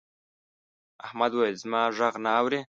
احمد وويل: زما غږ نه اوري.